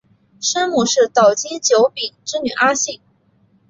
生母是岛津久丙之女阿幸。